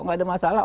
tidak ada masalah